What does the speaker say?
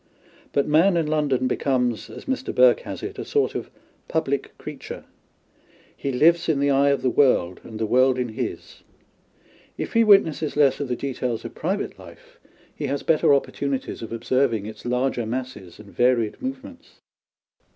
But man in London becomes as Mr. Burke has it, a sort of " public creature." He lives in the eye of the world, and the world in his. If he wit nesses less of the details of private life, he has better 104 On Londoners and Country People* opportunities of observing its larger masses and varied movements.